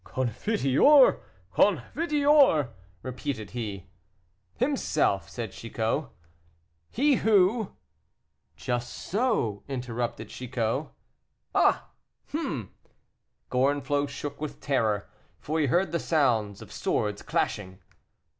"Confiteor, confiteor," repeated he. "Himself," said Chicot. "He who " "Just so," interrupted Chicot. "Ah, ah!" Gorenflot shook with terror, for he heard the sounds of swords clashing.